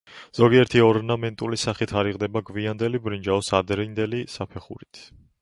ზოგიერთი ორნამენტული სახე თარიღდება გვიანდელი ბრინჯაოს ადრინდელი საფეხურით.